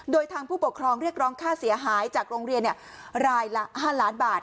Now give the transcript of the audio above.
โดยทางผู้ปกครองเรียกร้องค่าเสียหายจากโรงเรียนรายละ๕ล้านบาท